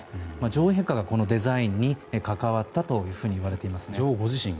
女王陛下がデザインに関わったといわれています。